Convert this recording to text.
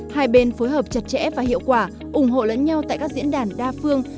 hai bên phối hợp chặt chẽ và hiệu quả ủng hộ lẫn nhau tại các diễn đàn đa phương